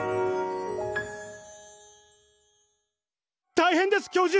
大変です教授！